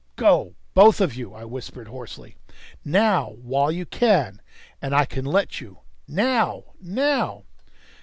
"Go, both of you!" I whispered hoarsely. "Now while you can and I can let you. Now! Now!"